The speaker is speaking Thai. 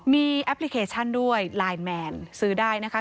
มีแอปพลิเคชันด้วยไลน์แมนซื้อได้นะคะ